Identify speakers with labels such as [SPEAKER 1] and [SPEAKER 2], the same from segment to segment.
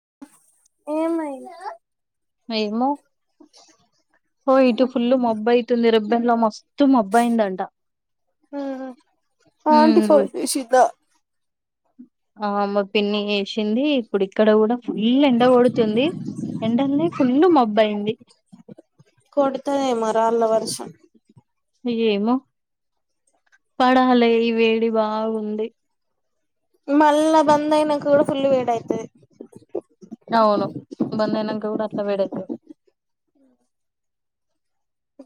[SPEAKER 1] [inaudible] ఏమైంది
[SPEAKER 2] హలో ఏమో ఒ ఇటు ఫుల్ మబ్బు అయితుంది రేపు దాంట్లో మస్తు మబ్బు అయింది అంట
[SPEAKER 1] ఉహు ఆంటీ ఫోన్ చేసిందా
[SPEAKER 2] ఆ మా పిన్ని వేసింది ఇప్పుడు ఇక్కడ గుడా ఫుల్ ఎండ కొడుతుంది ఎండలనే ఫుల్ మబ్బు అయింది
[SPEAKER 1] కొడతదేమో రాళ్ళ వర్షం
[SPEAKER 2] ఏమో పడాలి ఈ వేడి బాగుంది
[SPEAKER 1] మళ్ళా బంద అయినాక కూడా కూడా ఫుల్ వేడి అయితది
[SPEAKER 2] అవును బంద్ అయినాక కూడా అట్లానే వేడి అయితది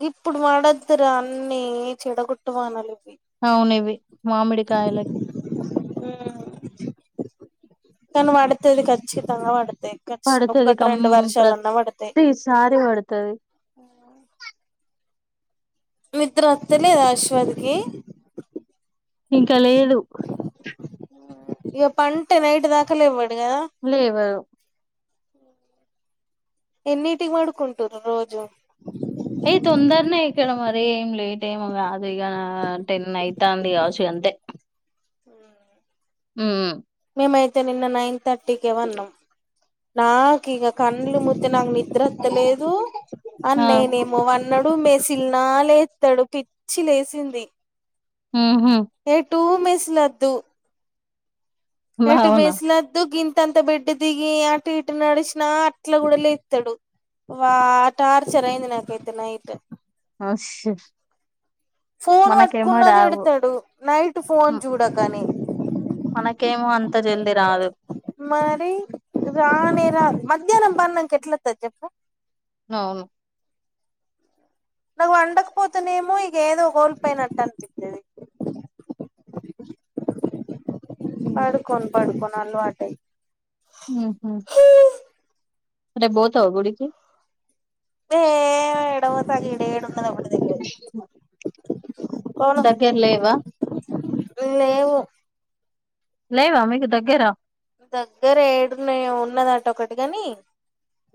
[SPEAKER 1] ఇప్పుడు పడొద్దు రా అన్ని చెడగట్టవానాల
[SPEAKER 2] అవును ఇవి మామిడికాయలకి
[SPEAKER 1] కానీ పడుతది కచ్చితంగా పడుతాది
[SPEAKER 2] పడుతది కం
[SPEAKER 1] పడతాయి
[SPEAKER 2] ప్రతిసారి పడుతాది
[SPEAKER 1] నిద్ర వత్తలేదా అశ్వద్కి
[SPEAKER 2] ఇంకా లేదు
[SPEAKER 1] ఇగ పంటే నైట్ దాకా ఇంక లేవడు కదా
[SPEAKER 2] లేవదు
[SPEAKER 1] ఎన్నిటికి పడుకుంటురు రోజు
[SPEAKER 2] ఏయి తొందరనే ఇక్కడ మరే ఏం లేట్ ఏమ కాదు ఇక టెన్ అయితంది కాచ్చు అంతే
[SPEAKER 1] ఊ
[SPEAKER 2] హ్మ్
[SPEAKER 1] మేము అయితే నిన్న నైన్ థట్ టికే పనాం నాకు ఇగ కండ్లు ముత్ అయితే నాకు నిద్రత్తలేదు అని
[SPEAKER 2] ఆ
[SPEAKER 1] నేనేమో వన్నాడు మే తిన్న లేతాడు పిచ్చి లేసింది
[SPEAKER 2] హ్మ్ హు
[SPEAKER 1] టూ మిస్ లద్దు ఎటు
[SPEAKER 2] అవునా
[SPEAKER 1] మేసలు లేద్దు గిం గిత్త బెడ్ దిగి అటు ఇటు నడిచిన అట్ల కూడా లేతాడు వా టార్చర్ అయింది నాకైతే నైట్
[SPEAKER 2] ఓ షట్
[SPEAKER 1] ఫోను పట్టుకున్న తిడుతాడు నైట్ ఫోన్ చూడకని
[SPEAKER 2] మనకేమో అంత జల్ది రాదు
[SPEAKER 1] మరి రానే రా మధ్యాహ్నం పన్నాక క ఎట్ల వతాది చెప్పు
[SPEAKER 2] అవును
[SPEAKER 1] నాకు పండకపోతునేమో ఇక ఏదో కోల్పోయినట్టు అనిపిస్తది పడుకోండి పడుకోండి అలువాటే
[SPEAKER 2] హ్మ్ హు రేపు పోతావా గుడికి హుమ్మ్
[SPEAKER 1] ఏడపోత ఇడయెడ ఉండదు అప్పుడు
[SPEAKER 2] హూ
[SPEAKER 1] పోను
[SPEAKER 2] దగ్గర లేవా
[SPEAKER 1] లేవు
[SPEAKER 2] లేవా మీకు దగ్గరా
[SPEAKER 1] దగ్గర ఏడు ఉన్నాయో ఉన్నదట ఒకటి గాని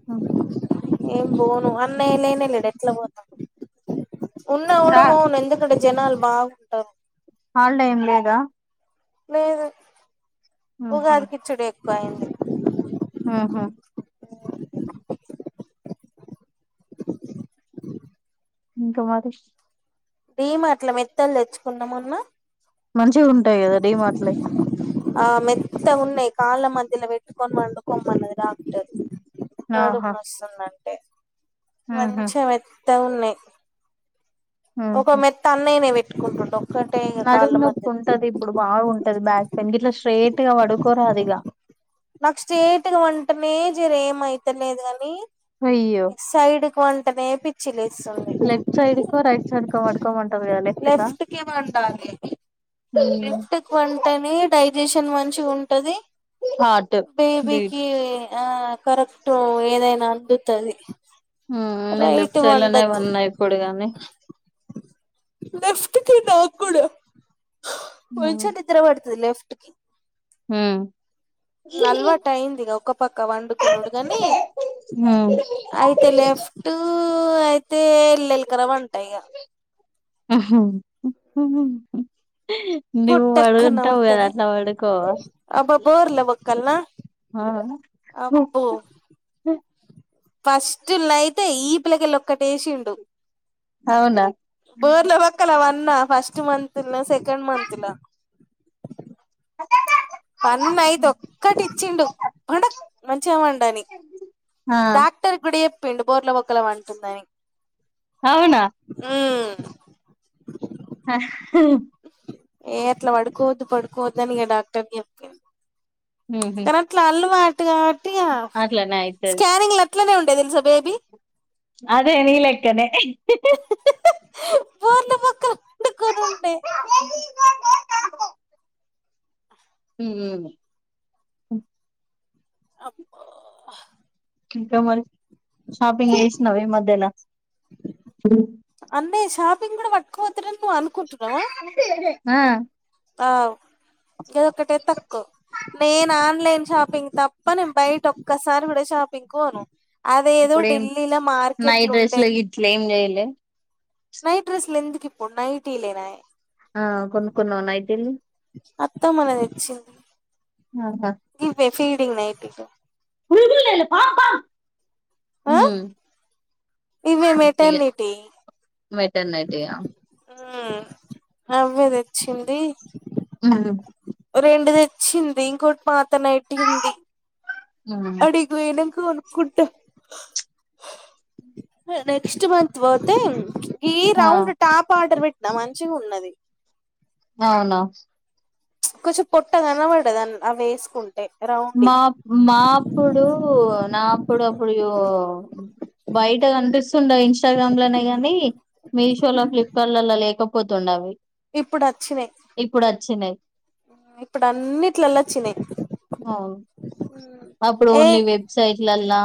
[SPEAKER 2] అ
[SPEAKER 1] నేను పోను అన్నయ్య లేనే లేడు ఎట్లా పోతా ఉన్న కూడా
[SPEAKER 2] రా
[SPEAKER 1] పోను ఎందుకంటే జనాలు బాగుంటారు
[SPEAKER 2] హాలిడే ఏం లేదా
[SPEAKER 1] లేదు ఉగాది కి ఇచ్చేడే [inaudible]
[SPEAKER 2] ఆహా ఇంకా మరిష్
[SPEAKER 1] డి మార్ట్‌లో మెత్తలు తెచ్చుకుందాం మన
[SPEAKER 2] మంచిగా ఉంటాయి కదా డి మార్ట్‌లో
[SPEAKER 1] ఆ మెత్త ఉన్నాయి కాళ్ళ మధ్యలో పెట్టుకుంటే పెట్టుకొని పండుకోమన్నాడు డాక్టర్ నాడు
[SPEAKER 2] ఆహా
[SPEAKER 1] మస్తు ఉందండి మన
[SPEAKER 2] ఉహు
[SPEAKER 1] చె మ త్త ఉన్నా ఒక మెత్త అన్నయ్యనే పెట్ కొకుంటం
[SPEAKER 2] నడుం నొప్పి ఉంటది ఇప్పుడు బాగుంటది బ్యాక్ పెయిన్ కి ఇట్లా స్ట్రేట్ గా పడుకోరా అదిలా
[SPEAKER 1] ర ఏమ అయితలేదు గాని
[SPEAKER 2] అయ్యో
[SPEAKER 1] పిచ్చి లేస్తుంది
[SPEAKER 2] లెఫ్ట్ సైడ్కో రైట్ సైడ్ క వడుకోమంటారు కద
[SPEAKER 1] లెఫ్ట్ కి వండాలి లెఫ్ట్ కి వంటనే డైజెషన్ మంచి ఉంటది
[SPEAKER 2] హార్ట్ బీట్
[SPEAKER 1] బేబీకి ఆ కరెక్ట్ ఏదైనా అందుతుంది
[SPEAKER 2] నేను లెఫ్ట్ సైడ్ లోనే ప న్నా ఇప్పుడు గానీ
[SPEAKER 1] లెఫ్ట్కి నాక్కూడ మంచి నిద్ర పట్టింది లెఫ్ట్ [inaudible]
[SPEAKER 2] హ
[SPEAKER 1] అలవాటు అయింది ఒక పక్క వండుకున్నాడు కాని అయితే లెఫ్ట్ తే ఎల్లెలు కర వంటాయిగా
[SPEAKER 2] [inaudible] నివ వడుగుంటావు కదా
[SPEAKER 1] అవుతది
[SPEAKER 2] అట్ల వడుకో
[SPEAKER 1] అబ్బ బోర్ల బొక్కల్నా ఫస్ట్న్నా అయితే ఈ పిలకి వెళ్ళ ఒక్కటేసిండు
[SPEAKER 2] అవునా
[SPEAKER 1] బోర్ల బొక్కల వన్న ఫస్ట్ మంత్ త్ల్నే సెకండ్ మంత్లా
[SPEAKER 2] అద్దదు
[SPEAKER 1] పన్న అయితే ఒక్కటి ఇచ్చిండు పండ మంచిగవండని.
[SPEAKER 2] ఆ
[SPEAKER 1] డాక్టర్ కుడయెప్ పిండు బోర్ల బొకలా వంటుందని
[SPEAKER 2] అవునా
[SPEAKER 1] ఊ
[SPEAKER 2] హహ
[SPEAKER 1] ఏ అట్లా వడుకోవద్దు పడుకోవద్దని ఇగ డాక్టర్ యెప్పిండు
[SPEAKER 2] ఉహు
[SPEAKER 1] కరట్ల అల్లు వట్ ట్గాట్
[SPEAKER 2] అట్లనే ఐతది
[SPEAKER 1] అట్లనే ఉండేది తెల్సా బేబీ
[SPEAKER 2] హి హి
[SPEAKER 1] బోర్లబొక్కల వండుకొని ఉండే
[SPEAKER 2] ఊ
[SPEAKER 1] అబ్బా
[SPEAKER 2] ఇంకా మరి షాపింగ్ జేష్ణవ ఈ మధ్యల
[SPEAKER 1] దీన్ కూడా వట్కఓతలెను ను అనుకుంటునవా
[SPEAKER 2] ఆ
[SPEAKER 1] ఆవ్ గదొకటే తక్కో నేను ఆన్లైన్ షాపింగ్ తప్ప నేను బయట ఒక్కసారి కూడా షాపింగ్ కోను
[SPEAKER 2] ఇప్పుడేం నైట్
[SPEAKER 1] ఉండే
[SPEAKER 2] డ్రెస్లు గిట్ల ఏం జేయలే
[SPEAKER 1] నైట్ డ్రెస్లు ఎందుకు ఇప్పు నైటీలేనాయె
[SPEAKER 2] ఆ కొనుక్కున్నావా నైటీలు
[SPEAKER 1] అత్తమిగ తెచ్చింది
[SPEAKER 2] ఆహా
[SPEAKER 1] గివ్వే ఫీడింగ్ నైటీలు
[SPEAKER 2] నువ్ జూలేదా పాం పా ఊ
[SPEAKER 1] ఆ ఇవే మెటర్నిటీ
[SPEAKER 2] మటర్నటియా
[SPEAKER 1] అవ్వే తెచ్చింది
[SPEAKER 2] ఉమ్
[SPEAKER 1] రెండు దె చింది ఇంకోటి మా అత్తనెడ్డింది అడిగు ఓయినంక కొనుక్కుంట నెక్స్ట్ మంత్ ఓతే కీ
[SPEAKER 2] ఆ
[SPEAKER 1] రౌండ్ టాప్ ఆర్డర్ట్ నా మంచిగా ఉన్నది
[SPEAKER 2] అవునా
[SPEAKER 1] కొంచెం పొట్ట కనపడదు అవేసుకుం
[SPEAKER 2] మా మా అప్పుడు నాఅప్పుడప్ ఇప్పుడు బయట కనిపిస్తుండ ఇంస్టాగ్రామ్ లోనే గానీ మీషో లో ఫ్లిప్ కార్ట్ లో లేకపోతుండ అవి
[SPEAKER 1] ఇప్పుడు వచ్చినాయ్
[SPEAKER 2] ఇప్పుడు వచ్చినాయి
[SPEAKER 1] ఇప్పుడు అన్నిట్లలాచ్చినాయ్
[SPEAKER 2] ఆ అప్పుడు ఓన్లీ వెబ్సైట్లలా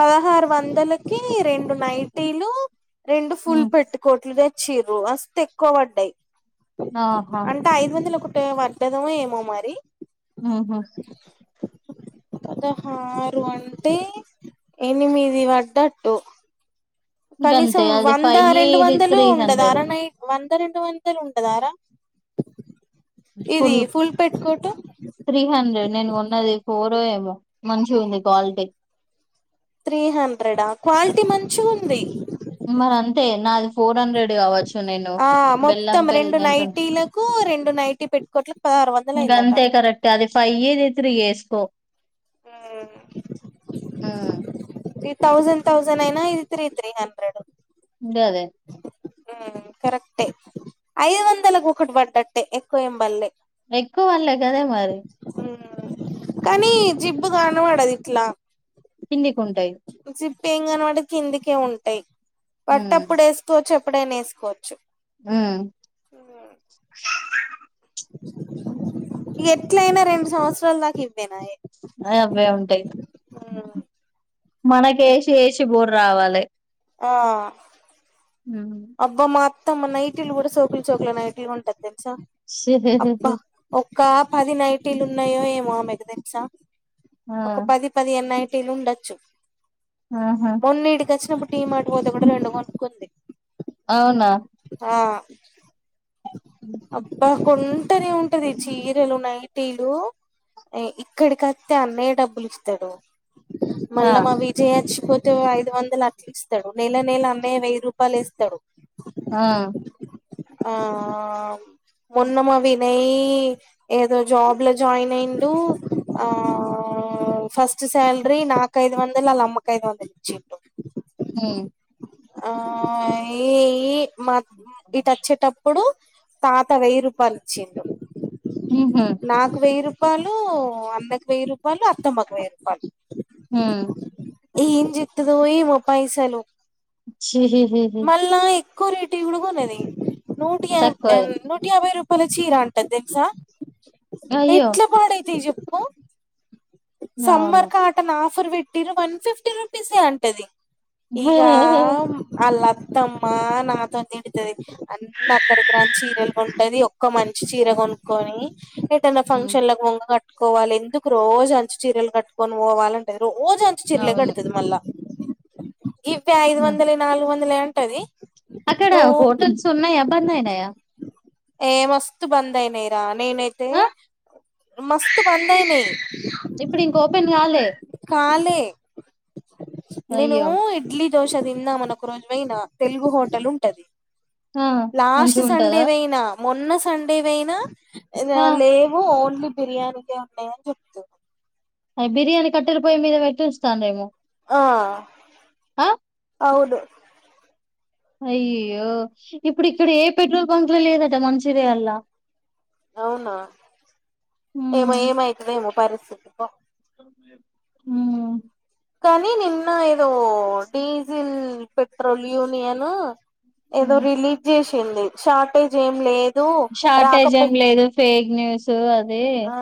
[SPEAKER 1] పదహారు వందలకి రెండు నైటీలు రెండు ఫుల్ పెట్టీ కోట్లు దే చిరు అస్త ఎక్కువ పడ్డాయి
[SPEAKER 2] ఆహా
[SPEAKER 1] అంటే ఐదు వందల కు వర్ధదమ ఏమో మరి
[SPEAKER 2] ఉంహు
[SPEAKER 1] పదహారు అంటే ఎనిమిది పడ్డట్టు కనీసం
[SPEAKER 2] గంతే అది
[SPEAKER 1] వంద
[SPEAKER 2] ఫైవ్
[SPEAKER 1] రెండు
[SPEAKER 2] ఇది
[SPEAKER 1] వందలు
[SPEAKER 2] త్రీ
[SPEAKER 1] ఉండదు
[SPEAKER 2] హండ్రెడ్
[SPEAKER 1] అరన వంద అంత రెండు వందలు ఉంటదారా ఇది
[SPEAKER 2] ఫుల్
[SPEAKER 1] పెట్టుకోటు
[SPEAKER 2] త్రీ హండ్రెడ్ నేను కొన్నది ఫోర్ ఏమో మంచి ఉంది కాలిటీ
[SPEAKER 1] త్రీ హండ్రెడా క్వాలిటీ మంచిగుంది
[SPEAKER 2] అదే నాది ఫోర్ హండ్రెడ్ కావచ్చు నేను
[SPEAKER 1] ఆ
[SPEAKER 2] బెల్లం
[SPEAKER 1] మొత్తం
[SPEAKER 2] బెల్
[SPEAKER 1] రెండు
[SPEAKER 2] అంట
[SPEAKER 1] నైటీలకు రెండు నైటీ పెట్కోట్లకు పదహారు వందలు అయిందట
[SPEAKER 2] త్రియేస్కో
[SPEAKER 1] ఉమ్ ఏ తథౌసండ్ తథౌసండ్ అయినా ఇది త్రీ త్రీ హండ్రెడ్
[SPEAKER 2] అదే అదే
[SPEAKER 1] ఉమ్ కరెక్టే ఐదు వందలకు ఒకటి పడ్డట్టే ఎక్కువ ఏంబల్లే
[SPEAKER 2] ఎక్కువనలే కదా మరి
[SPEAKER 1] కానీ జిబ్బు కానబడదిట్లా
[SPEAKER 2] ఇింది ఉంటాయి
[SPEAKER 1] పేంగాన వాడి కిందికే ఉంటాయి
[SPEAKER 2] ఉమ్
[SPEAKER 1] పట్టప్పుడు వేస్తూ చెప్పు ఎప్పుడైనా వేసుకోవచ్చు
[SPEAKER 2] హు
[SPEAKER 1] ఎట్లా అయినా రెండు సంవత్సాల దాకా ఇవ్వినా
[SPEAKER 2] ఆ అబ్బా ఉంటాయి మనకు ఎసి ఎసి బోర్ రావాలి
[SPEAKER 1] ఆ అబ్బ మా తమ నైట్టిల్ కూడా సోకిల్ సోకుల నైటీలు కొంటాది
[SPEAKER 2] సహూ హూ
[SPEAKER 1] కాప్ పది నైటీలు ఉన్నాయో ఏమో మగదంసా
[SPEAKER 2] ఆ
[SPEAKER 1] ఒక పది పదిహేను తినుండొచ్చు
[SPEAKER 2] ఆహా
[SPEAKER 1] మొన్న ఇడికి వచ్చినప్పుడు టీమ్ అటుపోతే కూడా రెండు కొనుకుంది
[SPEAKER 2] అవునా
[SPEAKER 1] ఆ అబ్బా కొం అంటానే ఉంటది చీరలు నైట్ టీలు ఇక్కడికత్తెఅన్నయ్య డబ్బులు ఇస్తాడు
[SPEAKER 2] ఆ
[SPEAKER 1] మల్ల మా విజయచ్చ పోతే ఐదు వందల అట్లిస్తాడు నెల నెల అన్నయ వైరు పాయలు ఇస్తాడు
[SPEAKER 2] ఆ
[SPEAKER 1] ఆ మొన్నమా వినయ్ ఏదో జాబ్ లో జాయిన్ అయిండు ఆ ఫస్ట్ సాలరీ నాకు ఐదు వందలు వాళ్ళ అమ్మకయిదు వందలు ఇచ్చిండు
[SPEAKER 2] హు
[SPEAKER 1] ఆ ఏ మా ఇటు వచ్చేటప్పుడు తాత వెయ్యి రూపాయలు ఇచ్చిండు
[SPEAKER 2] ఉహు
[SPEAKER 1] నాకు వెయ్యి రూపా పాలు అన్నకు వెయ్యి వాళ్ళు అత్తమ్మకి వెయ్యిరుపాయిలు
[SPEAKER 2] ఉమ్
[SPEAKER 1] ఏం జేత్తదో ఏమో పైసలు
[SPEAKER 2] హ్ హ్ హ్ హ్
[SPEAKER 1] మళ్ళా ఎక్కువ రేటు ఏమన్న కొననీ నూటి
[SPEAKER 2] తక్కువే
[SPEAKER 1] మ్ నూటి యాభై రూ చీరా అంటది తెల్సా
[SPEAKER 2] అయ్యో
[SPEAKER 1] ఎట్ల పాడైతాయ్ చెప్ ఓ
[SPEAKER 2] అవును
[SPEAKER 1] సమ్మర్ కాట నా ఆఫర్ పెట్టిరు వన్ ఫిఫ్టీ రూపీసే అంటది ఈగా అల్లా అతమ్మా నాతో తిడుతది అన్ని పనికిరాని చీరలు కొంటది ఒక్క మంచి చీర కొనుక్కొ నీ ఏటన్న
[SPEAKER 2] హ్మ్
[SPEAKER 1] ఫంక్షన్ లక్ పొంగబట్టే కోవాలి ఎందుకు రోజు పట్టు చీరల్ కట్టుకొని పోవాలంటది రోజంతా చీరలే
[SPEAKER 2] అవును
[SPEAKER 1] కడతది మల్లా కిస్తే ఐదు
[SPEAKER 2] హ్మ్
[SPEAKER 1] వందలే నాలుగు వందలే అం అంటది
[SPEAKER 2] అక్కడ
[SPEAKER 1] రో
[SPEAKER 2] హోటల్స్ ఉన్నాయా బంద్ అయినాయా
[SPEAKER 1] ఏ మస్తు బందైనయ్ రా నేనైతే
[SPEAKER 2] ఆ
[SPEAKER 1] మస్తు బందైనాయ్
[SPEAKER 2] ఇప్పుడు ఇంక ఓపెన్ కాలే
[SPEAKER 1] కాల్ పే నేను
[SPEAKER 2] అయ్యో
[SPEAKER 1] ఇడ్లీ దోశ
[SPEAKER 2] ఆ
[SPEAKER 1] లాస్ట్ సండే
[SPEAKER 2] మంచిగుంటదా
[SPEAKER 1] నే నా మొన్న సండే పోయినా
[SPEAKER 2] ఆ
[SPEAKER 1] అ లేవు ఓన్లీ బిర్యానీకే ఉంటాయని చెప్తురు
[SPEAKER 2] అ బిర్యానీ కట్టెల పోయి మీద పెట్టోస్తాందేమో
[SPEAKER 1] ఆ
[SPEAKER 2] అ
[SPEAKER 1] అవును
[SPEAKER 2] అయ్యో ఇప్పుడు ఇక్కడ ఏ పెట్రోల్ బంక్ ల లేదట మన్చిరియల్లా
[SPEAKER 1] అవునా ఏమో ఏమయితదో ఏమో పరి చెప్పు ప్పా
[SPEAKER 2] మ్మ్
[SPEAKER 1] కానీ నిన్న తో డీజిల్ పెట్రోల్ యూనియన్ ఏదో
[SPEAKER 2] హ్మ్
[SPEAKER 1] రిలీ చేష్ టింది షార్టేజ్ ఏం లే
[SPEAKER 2] షార్టేజ్ ఏం లేదు ఫేక్ న్యూస్ అది
[SPEAKER 1] ఆ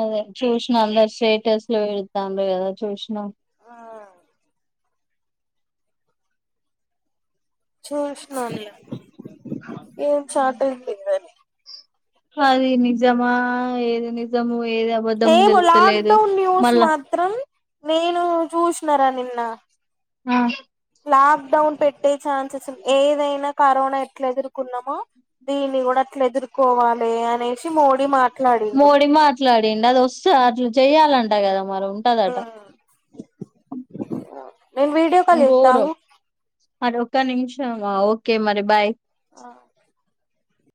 [SPEAKER 2] అదే చూసినా అందరు స్టేటస్ లో పెడతాండారు కదా చూసినా
[SPEAKER 1] ఆ చూష్నాన్ లే ఏం షార్ట్ ఉందింగని
[SPEAKER 2] అది నిజమా ఏది నిజము ఏది అబద్ధం
[SPEAKER 1] ఏమో
[SPEAKER 2] తెలుస్తలేదు
[SPEAKER 1] లాక్డౌన్ న్యూస్
[SPEAKER 2] మళ్ళా
[SPEAKER 1] మాత్రం నేను చూసినారా నిన్ న
[SPEAKER 2] ఆ
[SPEAKER 1] లాక్డౌన్ పెట్టే ఛాన్సెస్ ఉ ఏదైనా కరోనా ఎట్లా ఎదుర్కున్నామో దీన్ని కూడా అట్లెదుర్కోవాలి అనేసి మోడీ మాట్
[SPEAKER 2] మోడీ మాట్లాడిండది వస్త అట్ల చెయ్యాలన్ ట గదా మరి ఉంటదట
[SPEAKER 1] నేను వీడియో కాల్ చేత్తా ఆగు
[SPEAKER 2] మరొక నిమిషం గా ఓకే మరి బాయ్
[SPEAKER 1] ఆ